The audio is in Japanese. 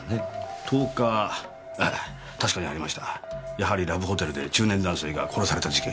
やはりラブホテルで中年男性が殺された事件。